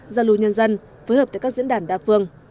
giao lưu nhân dân phối hợp tại các diễn đàn đa phương